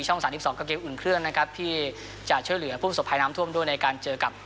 ๓๒กับเกมอุ่นเครื่องนะครับที่จะช่วยเหลือผู้ประสบภัยน้ำท่วมด้วยในการเจอกับ